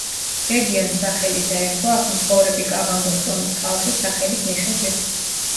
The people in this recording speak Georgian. რეგიონს სახელი დაერქვა აქ მცხოვრები კავანგოს ტომის ხალხის სახელის მიხედვით.